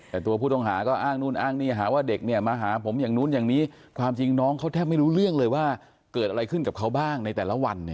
แต่ตัวผู้ต้องหาก็อ้างนู่นอ้างนี่หาว่าเด็กเนี่ยมาหาผมอย่างนู้นอย่างนี้ความจริงน้องเขาแทบไม่รู้เรื่องเลยว่าเกิดอะไรขึ้นกับเขาบ้างในแต่ละวัน